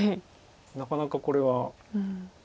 なかなかこれは。